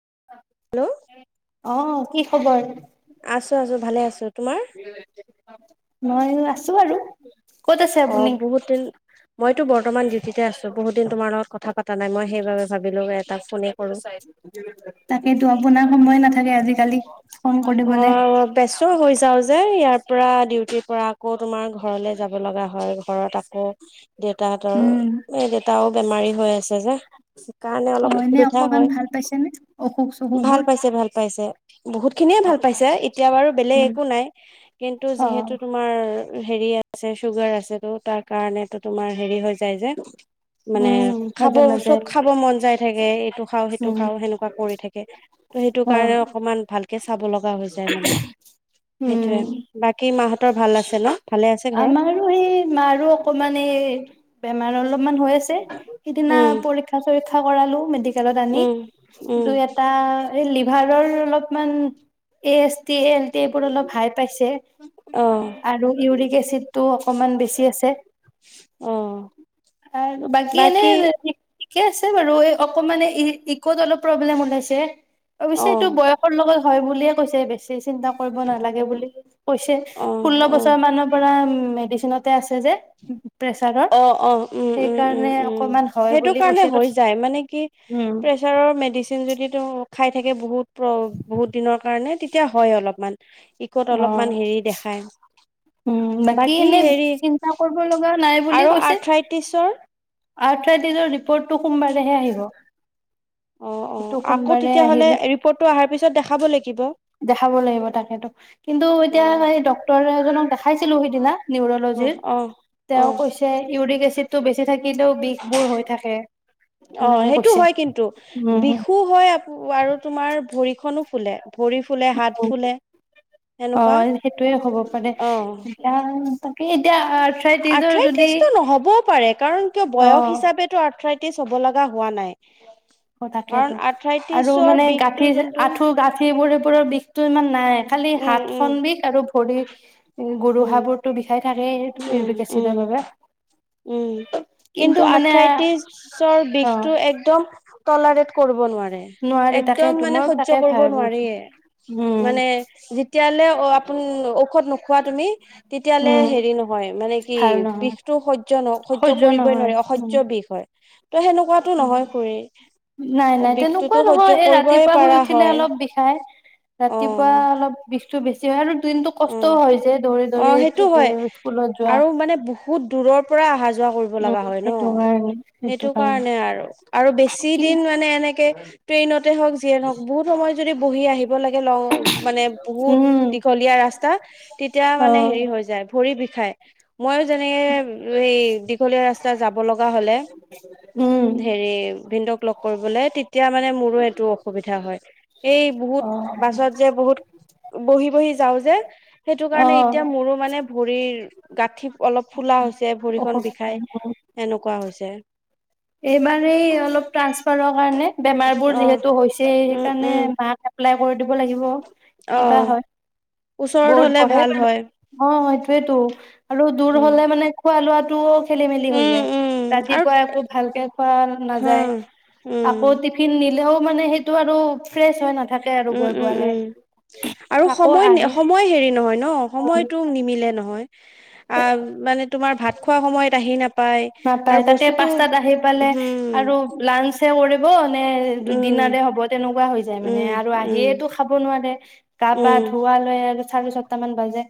Hello অ', কি খবৰ? আছো, ভালে আছো, তোমাৰ? মই আছো আৰু ক'ত আছে অ', আপুনি? বহুত দিন মইতো বৰ্তমান ডিউটিতে আছো। বহু দিন তোমাৰ লগত কথা পাত কৰো তাকেতো আপোনাৰ সময় নাথাকে আজিকালি। ফোন কৰিবলে। অ', বেচ হৈ যাও। যে ইয়াৰ পৰা ডিউটিৰ পৰা আকৌ তোমাৰ ঘৰলে যাব লগা হয় ঘৰত আকৌ। দেউতাহতৰ উম। এহ দেউেতাও বেমাৰী হৈ আছে যে। সেইকাৰণে অ অলপ এনে অসুবিধা অকমান হয়। ভাল পাইছেনে অসুখ ভাল চসুখবোৰ? পাইছে ভাল পাইছে বহুত খিনিয়ে অ ভাল পাইছে এতিয়া বাৰু বেলেগ উম একো নাই কিন্তু অ যিহেতু তোমাৰ হেৰি আছে চুগাৰ আছে ত তাৰ কাৰণে ত তোমাৰ হেৰি হৈ যায় যে। মানে উম খাব মাজে মাজে চব খাব মন যাই থাকে, এইটো খাও সেইটো উম খাওঁ সেনেকুৱা কৰি থাকে। ত সেইটো অ কাৰণে, উম' ভাল কে চাব লগ হৈ যায় মানে উম সেইটোয়ে বাকী মাহ তৰ ভাল আছে ন? ভালে আছে ঘৰত আমাৰো সেই মাৰো অকমান এই বেমাৰৰ অলপমান হৈ আছে সিদিনা উম পৰীক্ষা চৰিক্ষা পৰীক্ষা কৰালোঁ মেডি কলত আনি উম উম দুই, এটা লিভাৰৰ অলপমান এ তেল তেবোৰ অলপ হাই পাইছে অ আৰু ইউৰিক এচিদটো অকমান বেছি আছে অ আৰু বাকী এনেই ঠিকে আছে বাৰু এই অকণমানে ই ইকত অলপ প্ৰব্লেম ওলাইছে। অ অৱশ্যে এইটো বয়সৰ লগ হয় বুলিয়ে কৈছে বেছি- চিন্তা কৰিব নালাগে বুলি কৈছে অ ষোল্ল অ বছৰৰ মানুহ ম‌ মেডিচিনতে আছে যে, প্ৰেচাৰৰ অ-অ, সেইকাৰণে উম-উম-উম-উম, অকমান হয় সেইটো বুলি কাৰণে কৈছে হৈ যায় মানে কি উম প্ৰেচাৰৰ মেডিচিন যদিটো খাই থাকে বহুত বহুত দিনৰ কাৰণে তেতিয়া হয় অলপমান। ইকত অ অলপমান হেৰি দেখায়। উম' বাকী এনেই চিন্তা কৰিব লগা নাই। আৰু আৰ্থ্ৰাইটিছৰ, আৰ্থৰাইটিচৰ ৰিপৰ্টটো তোমাৰ সোমবাৰে হে আহিব। অ', অ', সেইটো আকৌ সোমবাৰে তেতিয়াহ'লে আহিলে ৰিপৰ্টটো আহাৰ পিছত দেখাব লাগিব। দেখাব লাগিব তাকেতো কিন্তু এতিয়া সেই ডক্টৰ এজনক খাইছিলু সিদিনা অ নিউৰোলজি অ অ তেওঁ কৈছে উৰিক এছিডতু থাকিলেও বিষবোৰ হৈ থাকে। অ', তেনেকে সেইটো কৈছে হয় কিন্তু উম বিষু হয় আৰু তোমাৰ ভৰি খনো ফুলে। হাত ফুলে সেনেকুৱা অ', সেইটোয়ে হ'ব পাৰে। অ [unintelligible] আৰ্থাৰাইটিজৰ যদি আৰ্থ্ৰাইটিছটো নহ'বও পাৰে কাৰণ কিয় অ বয়স হিচাপো অৰ্থ্ৰাই। কি চব লগা হোৱা নাই। অ কাৰণ তাকেইেটো আৰু আৰ্থ্ৰাইটিছৰ মানে বিষটো গাঁঠি যোনটো আঁঠু গাঁঠিবোৰে কওপৰৰ বিষতো ইমান নাই। খালি উম হাত উম খন বিষ আৰু থৰি, উম গুৰুহাবোৰতো বিষাই থাকেই তুমি উম এইটো উম এচিদৰ বাবে। উম, কিন্তু আৰ্থ্ৰাইটিজৰ অ বিষটো একদম তলাৰেত কৰিব নোৱাৰে। নোৱাৰি একদম তাকেতো মানে মই সয্য তাকে কৰিব ভাবি আছো নোৱাৰিয়ে উম মানে যেতিয়ালৈ অ', আপুনি ঔষধ নোখোৱা তুমি। তেতিয়ালে উম হেৰি নহয় মানে কি ভাল নহয় বিষটো সদ সহ্য নহয় সহ্য কৰিবই অসহ্য বিষ হয়। ত' সেনেকুৱাতো নহয় খুৰী নাই ত নাই বিষটোতো তেনেকুৱা সহ্য নহয়, এই কৰিবই ৰাতিপুৱা শুই পাৰা উঠিলে হয়। অলপ বিষাই। অ ৰাতিপুৱা অলপ বিষ টো বেছি হয় আৰু কিন্তু উম, কষ্টও হৈছে অ দৌৰি-দৌৰি সেইটো হয়। স্কুলত যোৱা। আৰু মানে বহুত দূৰ পৰা অহা যয় যোৱা কৰিব উম লগা হয় ন সেইটো কাৰণে সেইটো কাৰণে আৰু আৰু বেছি কি দিন মানে এনেকে ট্ৰেনত। হওক যিয় নহক বহুত সময় যদি বহি আহিব লাগে ল মানে বহুত উম দীঘলীয়া ৰাস্তা তেতিয়া অ মানে হেৰী হৈ যাই। বিষায় মইো যেনেকে এই দীঘলীয়া ৰাস্তা যাব লগা হলে উম হেৰি ভ [unintelligible] লগ কৰিবলৈ এতিয়া মানে মোৰো এইটো অসুবিধা হয় এই বহুত অ বাছত যে বহুত বহি বহি যাওঁ যে সেইটো অ কাৰণে এতিয়া মোৰো মানে ভৰিৰ গাঁঠীৰ অলপ ফুলা হৈছে ভৰিখন বিষাই এনেকুৱা হৈছে। যে এই বাৰ এই অলপ টেনচফাৰ কাৰনে বেমাৰ বোৰ অ যিহেতু হৈছে সেই উম কাৰনে উম মাক এপ্লাই কৰি দিব লাগিব অ কিবা হয়। ওচৰত বহুত হলে ভাল হয় অ এটোৱে তো আৰু দূৰ উম হলে মানে খোৱা লোৱা টো খেলি মেলি উম হৈ যায় উম আৰু ৰাতিপুৱা আকৌ ভালকে খোৱা হা নাযায় উম আকৌ টিফিন দিলেও মানে সেইটো আৰু ফ্ৰেছ হৈ নাথকে। উম উম উম আৰু আকৌ সময় আহে সময় হেৰি নহয় ন সময়টো নিমিলে নহয় আ মানে তোমাৰ ভাত খোৱা সময়ত আহি নাপায় আৰু নাপায় তাকে বস্তুটো পাস্তাত আহি পালে উম আৰু লাঞ্চ [inaudible] নে উম দিনাৰে হ'ব তেনেকুৱা হৈ যায় মানে উম আৰু উম আহিয়টো খাব নোৱাৰে কা পা উম ধুৱা লৈ আৰু চাৰে ছাতটা মান বাজে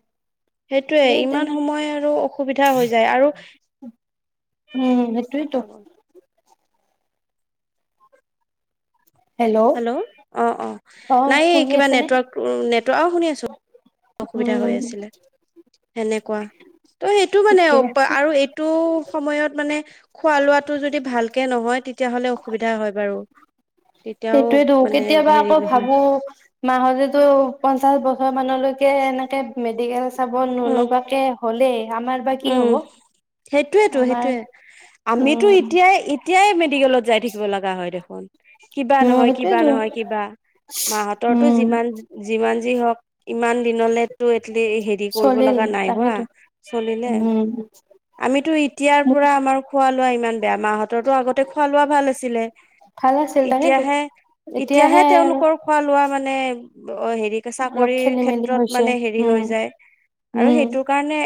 সেইটোৱে সেই ইমান তেনে সময় আৰু অসুবিধা হৈ যায় আৰু উম সেইটোৱেতো হেল্ল' অঁ অঁ অ নাই এই শুনি কিবা আছেনে নেটৱৰ্ক নেটৱৰ্, অ' শুনি আছোঁ। অসুবিধা হৈ উম আছিলে, সেনেকুৱা, ত' সেইটো মানে ঠিকে আছে আৰু এইটো সময়ত মানে খোৱা লোৱাটো যদি ভাল ভালকে নহয় তেতিয়াহ'লে অসুবিধা হয় বাৰু তেতিয়াও সেইটোয়েতো মানে কেতিয়াবা হেৰি আকৌ নহয় ভাবো মাহলেতো পঞ্চাশ বছৰ মানলৈকে ে [unintelligible] এনেকে [unintelligible] এইয়া চাব উম নলগাকে হ'লে! উম সেইটোৱেতো আমাৰ সেইটোয়ে আমিতো উম এতিয়াই এতিয়াই মেডিকেলত যাই থাকিব লগা হয় দেখোন! কিবা উম নহয় কিবা সেইটোয়েতো নহয় কিবা মাহতৰতো উম যিমান যিমান যি হওক ইমান দিনলেতো এলি হেৰি কৰিব চলিল লগা নাই হোৱা! তাকেইতো উম আমিটো এতিয়া পৰা আমাৰ খোৱা লোৱা ইমান বেয়া মাহতৰতো আগতে খোৱা লোৱা ভাল আছিলে ভাল আছিল তাকেইতো এতিয়াহে এতিয়াহে তেওঁলোকৰ খোৱা লোৱা মানে মানে ব হেইট হেৰি অলপ চাকৰিৰ খেলি মেলি ক্ষেত্ৰত হৈছে মানে হেৰি উম হৈ যায় আৰু উম সেইটো কাৰণে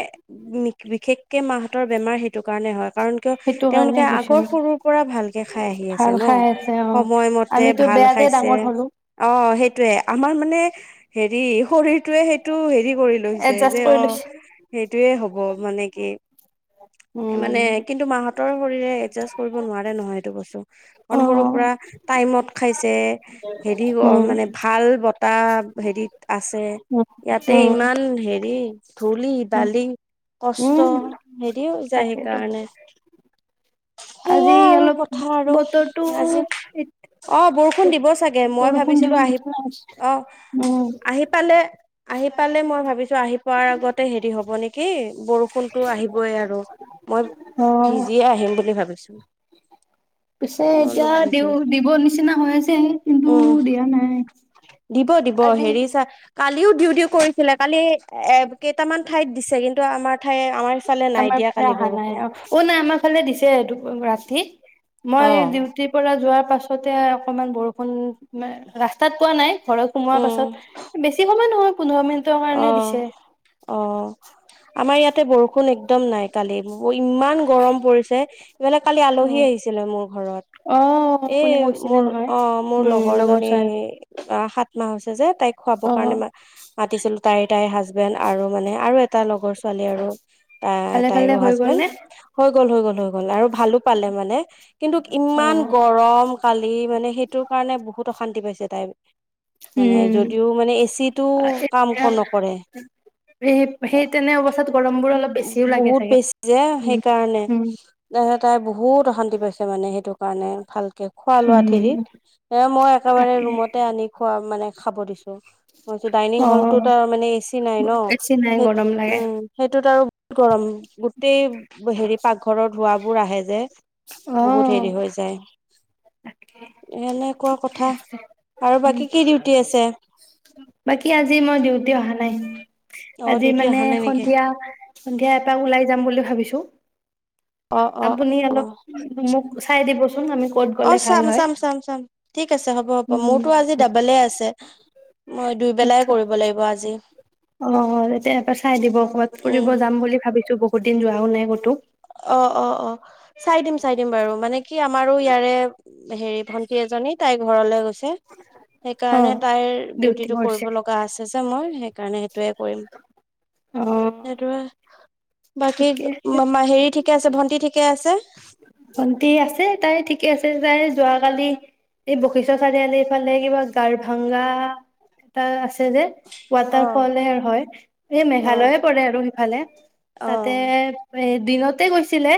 বিশেষকে মাহতৰ বেমাৰ সেইটো কাৰণে হয়। কাৰণ কিয় সেইটো কাৰণে তেওঁলোকে হৈছে আগৰ সৰুৰ পৰা ভালকে খাই আহি আছে ভাল ন খাই আছে অ সময়মতে আমিতো ভাল বেয়াতে খাইছে ডাঙৰ হলো অ সেই টোয়ে আমাৰ মানে হেৰি শৰীৰটোৱে সেইটো হেৰি কৰি লৈছে এডজাষ্ট যে কৰি অ' লৈছে সেই হব মানে কি মানে উম কিন্তু মাহতৰ শৰীৰে এডজাষ্ট কৰিব নোৱাৰে নহয় এইটো বস্তু। অকণ অ সৰুৰ পৰা টাইমত খাইছে হেৰি উম মানে ভাল বতাহ হেৰিত আছে উম ইয়াতে উম ইমান হেৰি থোলী উম দালি কষ্ট উম হেৰিও যায় তাকেইতো সেইকাৰণে। আজি সেইয়াই আৰু অলপ কথা আৰু বতৰটো আজি অ বৰষুণ দিব চাগে মই বৰষুণ দিব ভাবিছিলো আহি নিচিনা হৈছে অ উম আহি পালে আহি পালে মই ভাবিছো আহি পোৱাৰ আগতে হেৰি হব নেকি বৰষুণতো আহিবই আৰু মই অ ভিজিয়ে আহিম বুলি ভাবিছো পিছে মই এতিয়া অলপ দিও দিব নিচিনা হৈ আছে কিন্তু উম দিয়া নাই দিব দিব আজি হেৰি চা কালিও ডিউটি কৰিছিলে কালি এ কেইটামান ঠাইত দিছে কিন্তু আমাৰ ঠাই আমাৰ ইফালে নাই আমাৰ দিয়া ফালে কালি অহা নাই বৰষুণ অ অ নাই আমাৰ ফালে দিছে এইটো ৰাতি মই ডিউটিৰ পৰা যোৱা তাৰ পাছতে অকমান বৰষুণ ন ৰাস্তাত পোৱা নাই, ঘৰত সোমোৱাৰ উম পাছত বেছি সময় নহয়, পোন্ধৰ মিনিটৰ অ কাৰণে দিছে অ আমাৰ ইয়াত বৰষুণ একদম নাই কালি ইমান গৰম পৰিছে ইফালে কালি অ আলহী আহিছিলে মোৰ ঘৰত অ এ আপুনি কৈছিলে মোৰ নহয় অ মোৰ উম লগৰ জনী ছোৱালী অ সাত মাহ হৈছে যে তাইক খুৱাবৰ অ কাৰণে ম মাতিছিলো তাইৰ তাইৰ হাজবেণ্ড আৰু মানে আৰু এটা লগৰ ছোৱালী আৰু ত ভালে ভালে তাইৰো হৈ গ'ল নে হাজবেণ্ড হৈ গল হৈ গল হৈ গল আৰু ভালো পালে মানে কিন্তু অ ইমান গৰম কালি মানে সেইটোৰ কাৰণে বহুত অশান্তি পাইছে তাইৰ মানে যদিও মানে এচি টো- এহ। এই -সেই তেনে অৱস্থাত গৰম বহুত বেছি যে সেইকাৰণে। উম, ত তাই বহুত অশান্তি পাইছে মানে সেইটো কাৰণে। ভাল খোৱা লোৱা ঠেৰিত। উম, এ মই একেবাৰে তাকে ৰুমতে আনি খোৱা মানে খাব দিছো। ডাইনিং হলটোত অ', আৰু মানে এচি নাই ন। বেছি নাই সেই গৰম লাগে উম। সেই ত আৰু বহুত গৰম। গোটেই হেৰি পাকঘৰৰ ধোৱাবোৰ আহে যে। বহুত আহ হেৰি হৈ যায় এনেকুৱা কথা আৰু উম, বাকী কি ডিউটি আছে? বাকী আজি মই ডিউটি অহা নাই। অ আজি ডিউটি মানে অহা নাই নেকি সন্ধিয়া -সন্ধিয়া এপাক ওলাই যাম বুলি ভাবিছো। অ', অ', আপুনি অলপ অ'। মোক চাই দিবচোন আমি ক'ত গ'লে অ', ভাল চাম হয় চাম চাম চাম ঠিক আছে, হ'ব হ'ব উম, মোৰটো আজি দবলে আছে। মই দুইবেলাই কৰিব লাগিব আজি। অ তেতিয়া ইবাৰ চাই দিব। কবাত উম ফুৰিব যাম বুলি ভাবিছো বহুত। বহুতদিন যোৱাও নাই ক'তো। অ। অ। অ। চাই দিম। চাই দিম বাৰু। মানে কি আমাৰো ইয়াৰে হেৰি ভন্টি এজনী তাইৰ ঘৰলৈ গৈছে। সেইকাৰণে অ', তাইৰ ডিউটি ডিউটিটো কৰিছে কৰিব লগা আছে যে মই। সেইকাৰণে সেইটোৱে কৰিম। অ', সেইটোৱে বাকী ঠিকে অ আছে হেৰি ঠিকে আছে। ভণ্টি ঠিকে আছে। [unintelligible] ভণ্টি আছে। তাই ঠিকে আছে। তাই যোৱাকালি এই বশিষ্ঠৰ চাৰিআলি এইফালে কিবা গাৰ ভাংগা এটা আছে আছে যে অ ওৱাটাৰ ফলে হয়। এই অ মেঘালয় পৰে আৰু সিফালে। অ তাতে- এ দিনতে গৈছিলে।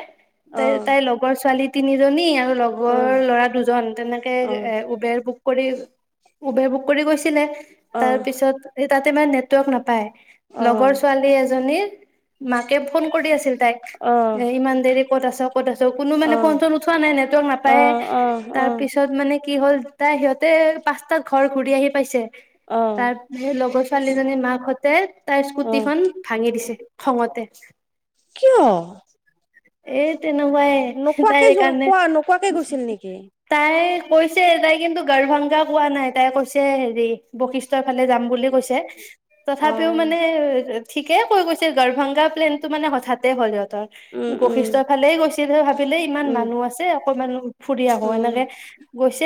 অ তাইৰ তাই লগৰ ছোৱালী'- তিনিজনী আৰু লগৰ উম ল'ৰা দুজন। তেনেকে উম এ উবেৰ বুক কৰি উবেৰ বুক কৰি গৈছিলে তাৰ অ', পিছত এই তাতে ইমান নেটৱৰ্ক নাপায় লগৰ অ', ছোৱালী এজনীৰ মাকে ফোন কৰি আছিল তাইক অ', ইমান দেৰি ক'ত আছ ক'ত আছ, কোনো মানে ফোন অ', চন উঠোৱা নাই নেটৱৰ্ক নাপায় তাৰ অ', পিছত মানে মানে কি হ'ল তাই সিহঁতে পাঁচটা ঘৰ ঘূৰি আহি পাইছে অ', তাৰ সেই লগৰ ছোৱালীজনীৰ মাকহঁতে তাইৰ স্কুটি অ', খন ভাঙি দিছে খঙতে কিয় এই তেনেকুৱাই তাই নোকোৱাকে যোৱা কাৰণে, কোৱা নোকোৱাকে গৈছিল নেকি? তাই কৈছে তাই কিন্তু গাৰভংগা কোৱা নাই, তাই কৈছে হেৰি বশিষ্ঠ তাই কান্দি য বুলি কৈ তথাপিও অ', মানে ঠিকেই কৈ গৈছিল গৰভাংগা প্লেনতটো মানে হঠাতে হ'ল সিহঁতৰ উম, [unintelligible] বশিষ্ঠ উম, সেইফালে গৈছিল ভাবিলে ইমান উম, মানুহ আছে অকনমান ফুৰি আহো উম, এনেকে গৈছে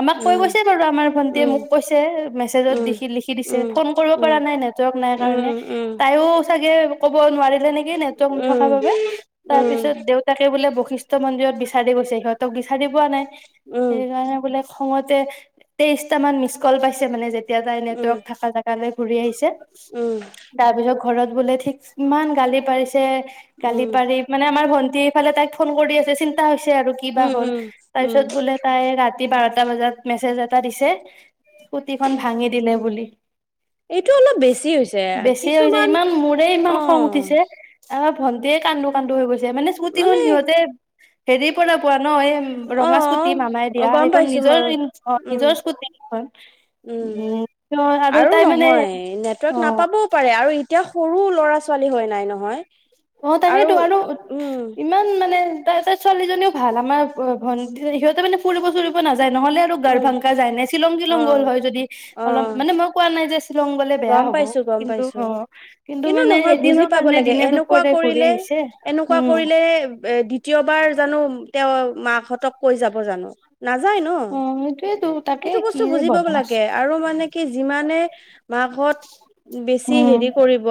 আমাক কৈ গৈছে বাৰু আমাৰ ভন্টিয়ে উম, মোক কৈছে মেছেজত উম, দিখি লিখি দিছে উম, ফোন কৰিব উম, পৰা নাই নেটৱৰ্ক নাই কাৰণে উম, তাইও চাগে অহ নোৱাৰিলে নেকি নেটৱৰ্ক উম, নথকাৰ বাবে উম, তাৰপিছত তে, দেউতাকে বোলে ব। কৃষ্ণ মন্দিৰত বিচাৰি গৈছে, সিহঁতক বিচাৰি পোৱা নাই। উম, উম, সেইকাৰণে বোলে খঙতে তেইশটা মান মিচ কল পাইছে মানে যেতিয়া এতিয়া তাই উম নেটৱৰ্ক থকা জেগালৈ ঘূৰি আহিছে। উম উম তাৰ পিছত ঘৰত বোলে ঠিক ইমান গালি পাৰিছে, গালি উম পাৰি মানে আমাৰ। ভণ্টি এইফালে তাইক ফোন কৰি আছে চিন্তা হৈছে আৰু কিবা উম হ'ল, উম তাৰ উম পিছত বোলে তাই ৰাতি বাৰটা বজাত মেছেজ এটা দিছে স্কুটিখন ভাঙি দিলে বুলি এইটো অলপ বেছি হৈ যায়, বেছি হৈছে কিছুমান ইমান অহ ভণ্টিয়ে কান্দো কান্দো হৈ গৈছে দিয়া মানে স্কুটিখন সিহঁতে হেৰি পৰা কোৱা নহ এই ৰঙা স্কুটি মামাই দিয়া, অ', গম সেইখন পাইছো নিজৰ মই অহ উম, নিজৰ স্কুটি সেইখন উম। আৰু তাই মানে নহয় নেটৱৰ্ক অহ নাপাবও পাৰে আৰু এতিয়া সৰু ল'ৰা-ছোৱালী হয় নাই নহয় অহ তাকেইতো আৰু উম ইমান মানে ইন্টাৰেষ্ট ছোৱালীজনীও ভাল আমাৰ ভন ভন্টি সিহঁতে মানে ফুৰিব চুৰিব নাযা নহ'লে আৰু উম গাৰভাংগা যায় নে শ্বিলং অ টিলং গ'ল হয় যদি। অ অলপ মানে মই কোৱা নাই যে শ্বিলং গলে বেয়া গম হ'ব পাইছো গম কিন্তু পাইছো অহ, কিন্তু মানে নহয় বুজি এদিনৰ পাব কাৰণে লাগে দিনে-দুপ এনেকুৱা কৰিলে এনেকুৱা কৰিলে এ দ্বিতীয়বাৰ জানো তেওঁ মাকহঁতক কৈ যাব জানো। নাযায় ন, অ সেইটোয়েতো তাকে সেইটো কি বস্তু যে বুজি পাব বদমাছ লাগে। আৰু মানে কি যিমানে মাসত বেছি উম হেৰি কৰিব।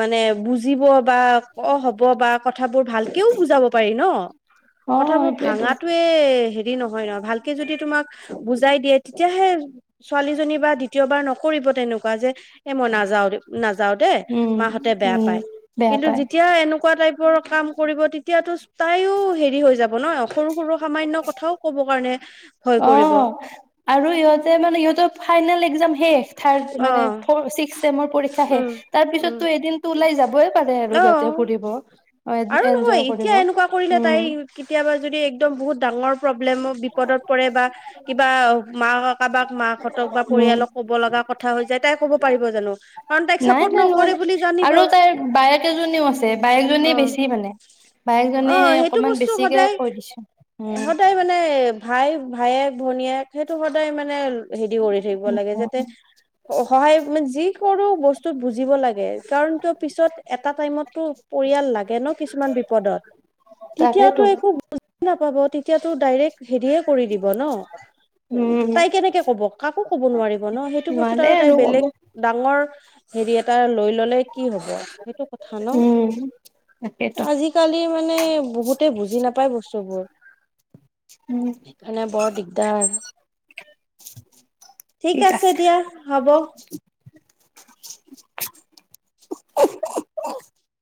মানে বুজিব বা, ক, হব, বা, ক ভাবো ভালকেও বুজাব পাৰি ন অ কথাবোৰ সেইটোয়েতো ভাঙাতয়ে নহয় ন ভালকে যদি তোমাক বুজাই দিয়ে তেতিয়াহে ছোৱালীজনী বা দ্বিতীয়বাৰ নকৰিব। তেনেকুৱা যে এ মনা যাও না যাও দেই উম মাহঁতে বেয়া উম পায় বেয়া কিন্তু পায় যেতিয়া এনেকুৱা টাইপ কাম কৰিব তেতিয়াতো তাইও হেৰি হৈ যাব ন। সৰু সৰু সামান্য কথাও ক'ব কাৰণে ভয় কৰিব অহ আৰু ইহঁতে মানে ইহঁতৰ ফাইনেল এক্জাম শেষ। থাৰ্ড অ মানে ফৰ ছিক্স ছেমৰ পৰীক্ষা উম শেষ। তাৰ উম পিছতো এদিনটো ওলাই যাবই পাৰে আৰু সিহঁতে অ ফুৰিব আৰু নহয় এনজয় এতিয়া কৰিব। এনেকুৱা কৰিলে তাই উম। কেতিয়াবা যদি একদম বহুত ডাঙৰ। প্ৰব্লেমত বিপদত পৰে বা কিবা মা কাবাক মাকহঁতক বা উম, পৰিয়ালক ক'ব লগা। কথা হৈ যায় তাই ক'ব পাৰিব জানো কাৰণ তাইক নাই চাপৰ্ট নাই নকৰে নোৱাৰে বুলি জানিব আৰু অ তাইৰ বায়েক এজনীও আছে বায়েকজনী বেছি মানে অ বায়েকজনীয়ে সেইটো অকমান বস্তু বেছিকে সদায় কৈ দিছে উম। সদায় মানে ভাই ভায়েক ভনীয়েক সেইটো সদায় মানে হেদি কৰি থাকিব লাগে যাতে? অ, সহায় মজি সৰু বস্তুত বুজ বুজিব লাগে কাৰণ তেওঁ পিছত এটা টাইমতটো পৰিয়াল লাগে ন কিছুমান বিপদত তাকেতো তেতিয়াতো একো বুজি নাপব। পাব তেতিয়াতো ডাইৰেক্ হেৰিয়ে কৰি দিব ন', উম, তাই কেনেকে কব কাকো কব নোৱাৰিব ন', সেইটো বস্তু। এ [unintelligible] হেৰি এটা লৈ ললে। কি হ'ব সেইটো কথা ন উম। তাকেতো আজিকালি মানে বহুতে বুজি নাপায় বস্তুবোৰ উম, সেইকাৰণে বৰ দিগদাৰ ঠিক আছে দিয়া। হ'ব আব। [inaudible] হু হু হু [unintelligible]